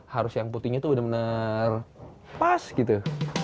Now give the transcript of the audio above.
harus yang putihnya tuh benar benar pas gitu